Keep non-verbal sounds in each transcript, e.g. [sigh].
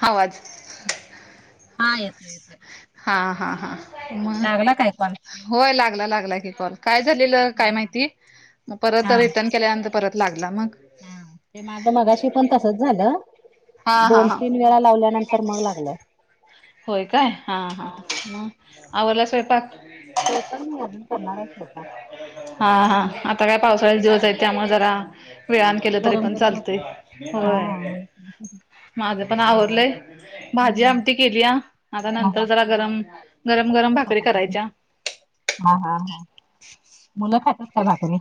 हावाचं हा येतोय येतोय. हा हा हा म लागला काय कॉल होय लागला लागला की कॉल काय झालेलं हा काय माहिती म परत हा रिटर्न केल्यानंतर परत लागला मग हा ते माझ मगाशी पण तसच झालं हा हा हा बोलतीनी वेळा लावल्यानंतर मग लागलं. होय काय हा हां म आवरला स्वयंपाक? स्वयपाक मी आजून करणारच आता. हा हा आता काय पावसाळ्याचे दिवस आहेत त्यामुळं जरा वेळान केलं तरी गरम पण गरमच चालतंय हा होय. की माझं पण आवरलंय भाजी त्यामुळे आमटी केलीया आता हा नंतर हा जरा गरम गरम गरम भाकरी चपाती तेन करायच्या. हा हा हा मुलं खातात का भाकरी?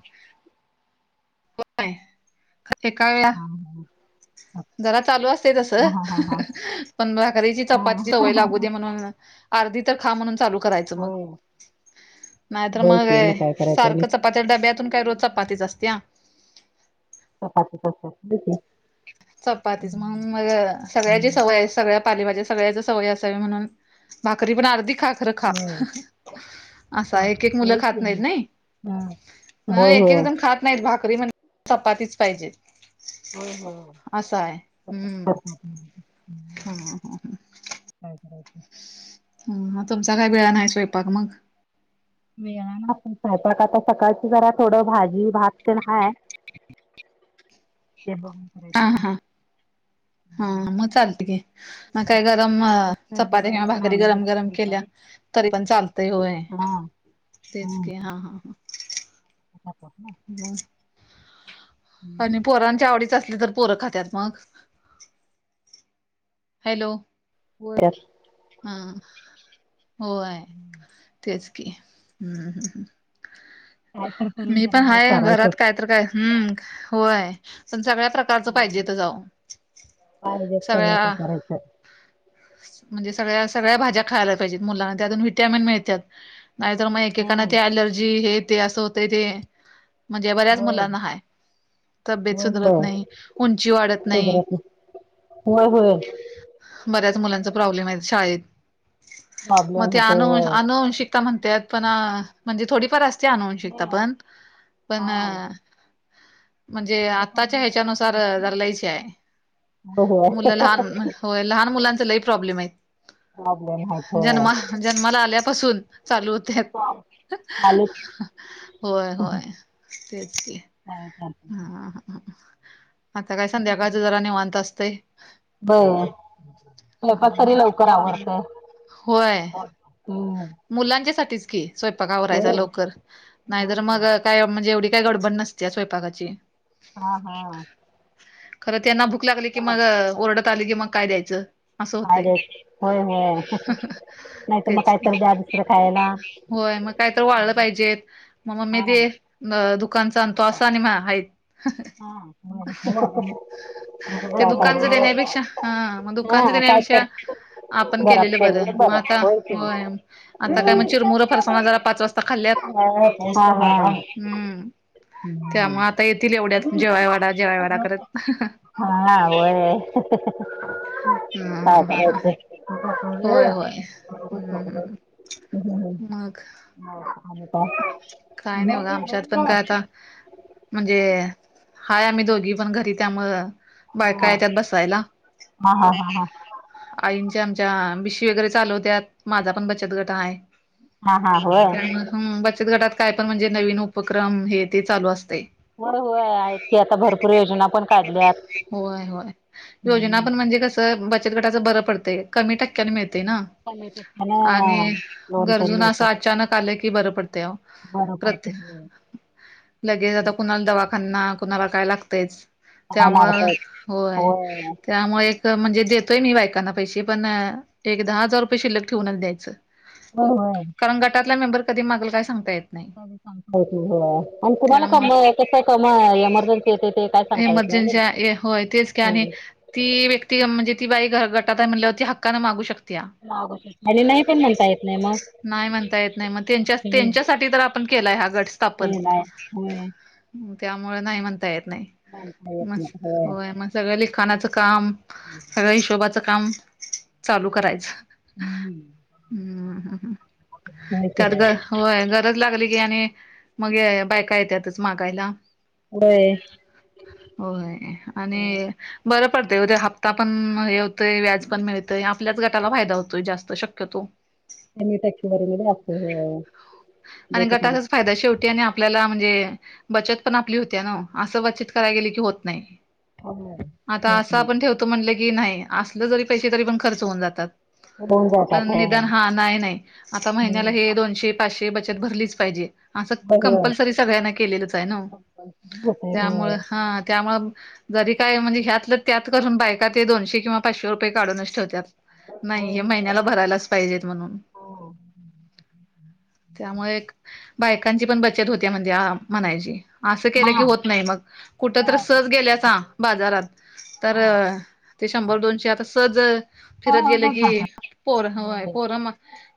[unintelligible] ते काय [inaudible] जरा चालू असतेय तसं हा हा हा हा पण भकरीची चपातीची सवय हा लागू दे म्हणून अर्धी तर खा म्हणून चालू करायचं मग होय नाहीतर होय मग की काय करायचं आणि सारख चपाती त डब्यातून काय रोज चपातीच असतेया. चपातीच असतेय? होय की. चपातीच म्हणून म सगळ्याचीच हम्म सवय आहे सगळ्या पालेभाज्या सगळ्याच सवय असावी म्हणून भाकरी पण अर्धी खा खरं खा. होय असा एक एक मुलं होय की खात नाहीत आणि नई हा म होय एक होय एक जण खात नाहीत भाकरी म्हण चपातीच पाहिजे. होय होय हो. असा आहे हम्म हम्म हं. [unintelligible] हम्म तुमचा काय वेळान आहे स्वयंपाक मगं. वेळान स्वयपाक आता सकाळच जरा थोडं भाजी भात ते हाय. [unintelligible] हा हा हा म चालते की. मग काय गरम मिस्टर चपात्या किंवा जेवायला पण भाकरी आलं नाहीत गरम गरम केल्या दुपारी तरी पण चालतय होय हा तेच हम्म की हा हा. [unintelligible] [unintelligible] आणि पोरांच्या आवडीच असल तर पोरं खात्यात मगं. हॅलो. होय. हा होय तेच. की हम्म. काय तर करून मी जरा पण जरा हाय घरात काय चारायचंच तर काय हम्म होय पण सगळ्या प्रका च पाहिजेेत जाऊन सगळ्या अच्छा. म्हणजे सगळ्या सगळ्या भाज्या खायला पाहिजेत मुलांना त्यातून व्हिटॅमिन मिळत्यात. नाही त मग एकेकाना हम्म ते अलर्जी हे ते असं होतय ते. म्हणजे बऱ्याच होय मुलांना हाय तब्येत होय सुधरत होय नाही उंची वाढत नाही. सुधरत होय होय. बऱ्याच मुलांचा प्रॉब्लेम आहे शाळेत म प्रॉब्लेम ते होतोय आणू होय आणूवांशिक ता म्हणत्यात पण अ म्हणजे थोडीफार असते आणूवां नाही हा शिकतापण पण अ म्हणजे थोडंफार आत्ताच्या दुर्लक्ष पण ह्याच्यानुसार होतंय जरा लयच हे आहे मुलं होय लहान होय लहान मुलांच लय प्रॉब्लेम आहेत प्रॉब्लेम आहेत होय जन्मा जन्माला आल्यापासून चालू हो त्यात चालूच होय होय तेच की. काय चालत हां हं आता काय संध्याकाळच जरा निवांत असतेय. बरं. स्वयपाक तरी हा लवकर आवरते हम्म. मुलांच्या साठीच की स्वयंपाकवरायचा होय लवकर होय नाहीतर की मग काय म्हणजे एवढी काही गडबड नसते स्वयपाकाची हा हा खरं त्यांना भूक लागली की मग ओरडत आली की मग काय द्यायचं असं होतंय अयेत होय होय नाहीतर मग तेच की काहीतरी द्या दुसरं खायला होय मग कायत वाढलं पाहिजेत मग मग मी हा दे अ दुकानचा आणि तो असा आणि म हा ते दुकानच देण्यापेक्षा हा मग दुकानच हा काय तर देण्यापेक्षा आपण केलेलं बरं मग आता होय आता काय मग हम्म चिरमुरं फरसावना जरा पाच वाजता खाल्ल्यात हा हा हम्म त्या म आता येतील एवढ्यात जेवायवाडा जेवायवाडा करत हा ब ह काय ह ह होय का होय हम्म हम्म. मग हो काय नाही बघा आमच्यात पण काय आता म्हणजे हाय आम्ही दोघी पण घरी त्यामु हा बायकाय त्यात बसायला हा हा हा आईंच्या आमच्या बीशी वगैरे चालवत्या माझा पण बचत गट आहे हा हा हा होय त्यामुळे हम बचत गटात काय पण म्हणजे नवीन उपक्रम हे ते चालू असते हो होय आहेती आता भरपूर योजना पण काढल्यात होय होय योजना ह् पण म्हणजे बचत गटाच बरं पडतेय कमी टक्क्याने मिळते ना कमी आणि टक्क्यानं लोन तेन गरजुना असं मिळतंय अचानक आलं क [unintelligible] बरं पडतंय होय. दवाखाना कुणाला काय लागतच काय त्यामुळे लागतंय होय त्यामुळे म्हणजे देतोय मी बायकांना पैसे पण एक दहा हजार रुपये शिल्लक ठेवूनच द्यायचं हो हो कारण गटातला मेंबर कधी मागल काय सांगयत [unintelligible] हो हो आणि तुम्हाला कम त्यामुळे कस कम एमर्जन्सी येते ते काय सांगता येत इमर्जन्सी नाही आहे होय तेच का आणि हम्म ती व्यक्ती म्हणजे ती बाई गटात आहे म्हणल्यावर ती हक्कानें मागू शकते मागू शकतो आणि नाही पण म्हणता येत नाही मग नाही म्हणता येत नाही म त्यांच्या हम्म त्यांच्यासाठी तर आपण केलाय हा गट स्थापन केलाय होय. त्यामुळे नाही म्हणता येत नाही म्हणता येत म नाही होय मग सगळं लिखाणाचं काम हम् हिशोबाच काम चालू हम्म. करायचं् होय की त्यात काय ग होय गरज लागली की आणि मग बायका य त्यातच मागायला बर होय आणि बरं पडतं उद्या हप्ता पण हे होतंय व्याज पण मिळतय आपल्याच गटाला फायदा होतोय जास्त शक्यतो एीटक वर आप आणि गटचाच फायदा शेवटी आणि आपल्याला म्हणजे बचत पण आपली होती न असं बचत करायला गेले की होत नाही आता होत असं नाही आपण ठेवतो म्हटलं की नाही असल जरी पैसे तरी पण खर्च होऊन जातात होऊन जातात पण होय निदान हा नाही नाही आता महिन्या हम्म दोनशे पाचशे बचत भरलीच पाहिजे असं होय होय कंपल्सरी सगळ्यांना केलेलंच आहे ना कंपल्सरी होतंय त्यामु होय हा त्यामु जरी काय म्हणजे ह्यात त्यात करून बायका ते दोनशे किंवा पाचशे रुपये काढूनच ठेवत नाही हे महिन्याला भरायलाच पाहिजेत म्हणून त्यामुळे एक बायकांची पण बचत होते म्हणजे आ म्हणायची. असं केलं की हा होत नाही मग कुठ तर होय सज गेल्याच ह बाजारात तर हा ते शंभर दोनशे आता सज फिरत गेल सहजच की. जातात पोरय होय पोर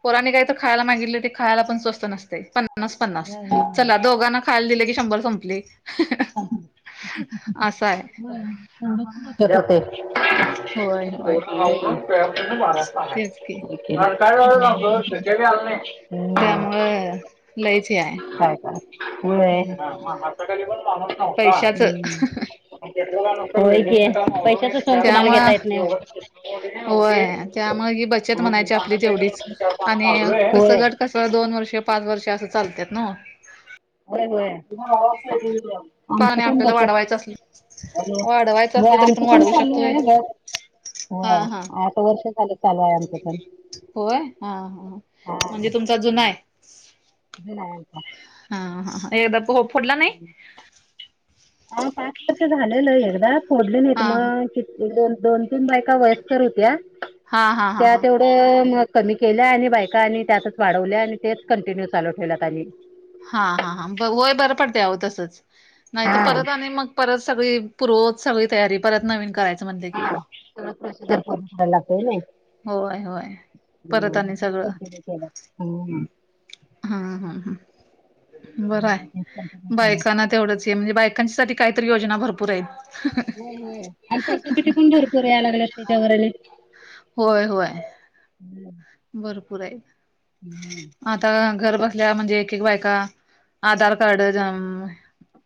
पोराांने काही तर खायला मागितलं ते खायला पण स्वस्त नसते पण पन्नास पन्नास होय चला दोघांना खाल दिले की शंभर संपले. हो. असं आहे होय होय तेच की [unintelligible] हम्म. व्हय. लईच आ. हाय काय व्ह्य हम्म. [inaudible] हम्म काम आवरलं. पैशाचं सोंग कुणाला त्यामुळं घेता येत नाही. एवढे नाही होते. होय त्यामुळे ही बचत मी म्हणायची पानं आपली द्यायला गेलो तेवढीच तर चार पानं आणि मागलोय. कस होय लट कस वे दोन वर्षे पाच वर्ष असं चालतात ना. हो आमच पाणी कोण आपल्याला त्याच्यात वाढवायचं असल हॅलो वाढवायचं असलं व्हय तरी आमचं पण वाढवू चाललय शकतोय आहे घर हो हा हा आठ वर्ष झालं चालू आहे आमचं पण. होय हा हा हा म्हणजे तुमचा जुना आहे. जुना आहे आता. हा ह ह एकदा प फोडला नाही ह पाच वर्ष झालेलं एकदा फोडले नाहीत हा मग कि द दोन तीन बायका वयस्कर होत्या हा हा हा हा. म कमी केल्या आणि बायका आणि त्यातच वाढवल्या आणि तेच कंटिन्यू चालू ठेवल्यात आम्ही. हा हा हां वय बरं पडते आह तसंच नाही तर हा परत आणि मग परत सगळी पूर्वरत सगळी तयारी परत नवीन करायचं म्हणलं की सगळ पैसे देउन करून घायला लागतय ना. होय होय परत आणि सगळं. कंटिन्यू केल्यात हम्म हम हम ह बर आहे बायकना तेवढंच म्हणजे बायकांसाठी काहीतरी योजना भरपूर आहेत. हो हो आणि फॅसिलिटी पण भरपूर या लागल्यात त्याच्यावरले. होय होय. [unintelligible] भरपूर आहेत आता घर बसल्या ल्या म्हणजे एक बायका आधार कार्ड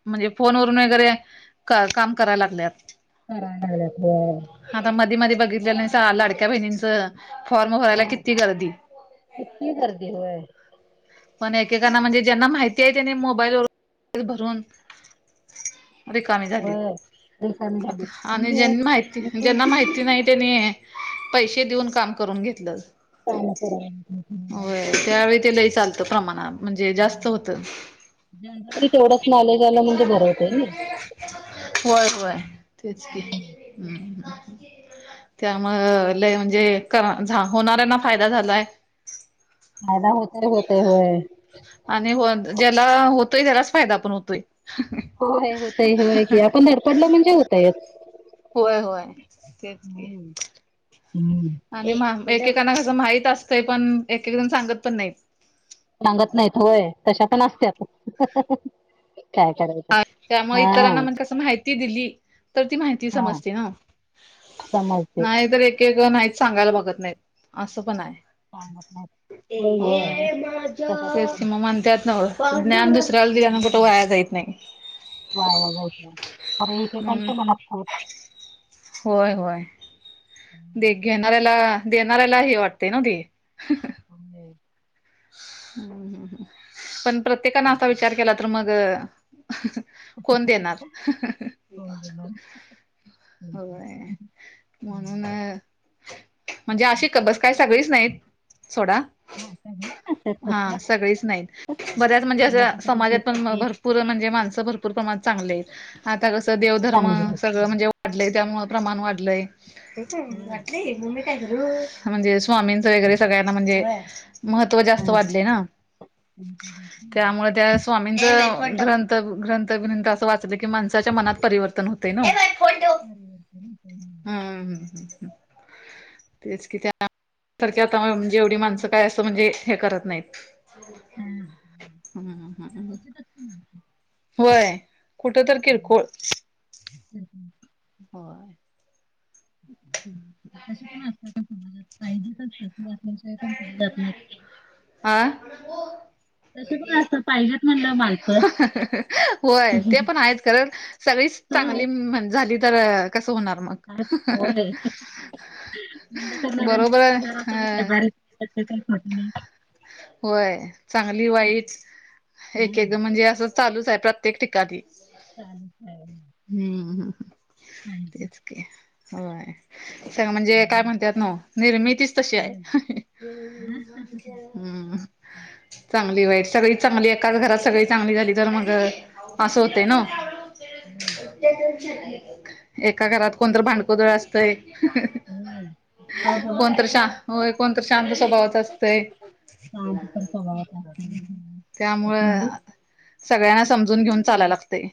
म्हणजे फोन वून वगैरे का काम करायला लागल्यात. करा लागल्यात व्हय. आता मधी मध्ये बघितले नाही लडक्या बहिणींचं फॉर्म भरायला हा कित ती गर्दी. किती गर्दी होय पण एकेकांना म्हणजे ज्यांना माहिती आहे त्यांनी मोबाईल व भरून [unintelligible] रिकामी झाली होय रिकामी झाली आता आणि ज्यां म्हणजे माहिती ज्यांना काय माहिती नाही. त्यानी पैसे देऊन काम करून घेतलं. काम करून घेतलं. होय त्यावेळी ते लई चालतं प्रमाणा म्हणजे जास्त होतं. तरी तेवढंच नॉलेज आलं म्हणजे बर होतय. होय होय तेच की हम्म. त्यामुळ लय झा म्हणजे होणाऱ्यांना फायदा झालाय. फायदा होतर होत होय. आणि ज्याला होतोय त्यालाच फायदा पण होतोय. होय होतय होय की आपण धडपडलं म्हणजे होतयच. होय होय. तेच की हम्म हम्म. आणि एकेकाना कसं माहित असतंय पण एक एकजण सांगत पण नाहीत. सांगत नाहीत होय तशा पण असत्यात. काय कारायच. हा त्यामुळे इतरांना मण कस माहिती दिली. तर ती माहिती हा समजते ना. समजते. एकेक जण हायेत सांगायला बघत नाहीत. असं पण आहे. सांगत नाहीत. होय होय तशातलं तेच पण की मग म्हणतात नव. ज्ञान दुसऱ्याला दिल्यान कुठं हम्म. वया जायत नाही. वाया जाइत नाही. अरे एकेकांच्या मनात खूप होय होय. दे घेणाऱ्याला देणाऱ्याला ह वाटते ना ते? [unintelligible] हम्म! पण प्रत्येकाने असा विचार केला तर मग कोण देणार. कोण बोलणार? होय [inaudible] म्हणून. म्हणजे अशी कबस काय सगळीच नाहीत सोडा. [inaudible] हा सगळेच तसं नाहीत तसं बऱ्याच म्हणजे शंभर अं टक्क्यातले समाजात तीस पण टक्के भरपूर म्हणजे, माणसं भरपूर प्रमाणात चांगले आहेत. आता कसं देवधर्म चांगले आहेत. सगळं हा. म्हणजे वाढलंय त्यामुळ प्रमाण वाढलंय. म्हणजे स्वामींच वगैरे सगळ्यांना म्हणजे. महत्त्व जास्त हम्म. वाढले ना. त्यामुळे त्या स्वामींच ग्रंथ ग्रंथ असं वाचलं की माणसाच्या मनात परिवर्तन होते नव. हम! तेच कि त्या सारख आता म्हणजे एवढी माणसं काय अस म्हणजे हे करत नाहीत. हा क्वचितच होय कुठ तर किरकोळ, [inaudible] होय. [inaudible] त पण असतात सजात पाहिजेल्याशवाय पण जात नाही. आं. तस पण असत पाहिजे. होय ते पण आहेतच कारण. सगळी हो, चांगली झाली तर कसं होणार मग, ह होय, निंदा बरोबर करणाऱ्याचा घर आहे असावे ह शेजारी. त्याे का खट नाही. होय, चांगली वाईट एक हां एकदा म्हणजे अस चालूच आहे प्रत्येक ठिकाणी. चालूच आहे. हम्म हम्म! पाहिजेत तेच की होय. सग म्हणजे काय म्हणतात नव निर्मितीच तशी आहे. होय हम्म हंम! चांगली वाईट सगळी चांगली एकाच घरात सगळी चांगली झाली तर मग असं होतें नाव. होय. एका घरात कोणतर, भांडकोदळ असतंय. होय. का बरं कोणतर श होय, कोणतर शांत स्वभावाच असतंय, शांत स्वभावाचं असत्य त्यामुळं नी, [unintelligible] सगळ्यांना समजून घेऊन, चालायला लागतय,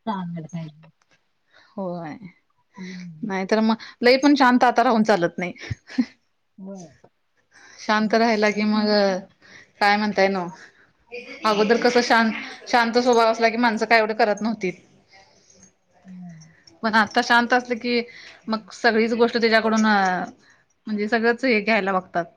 [unintelligible] होय, हं नाही तर मग लई पण शांत आता राहून चालत नाही, होय. शांत राहाला मग काय, म्हणताय नव्ह, अगोदर कस शांत, शांत स्वभाव असला की, माणसं काय एवढे करत नव्हती, पण आता शांत असलं की, मग सगळीच गोष्ट, तो, त्याच्याकडून म्हणजे सगळंच हे, घ्यायला बघतात,